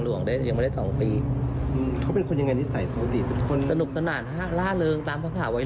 เจ็บขวบนะ